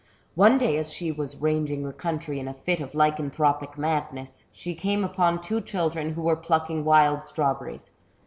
One day as she was ranging the country in a fit of lycanthropic madness, she came upon two children who were plucking wild strawberries.